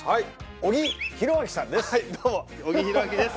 小木博明さんです